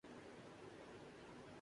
لوگوں کی مزید تصاویر بنائیں